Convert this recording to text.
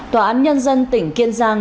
tòa án nhân dân tỉnh kiên giang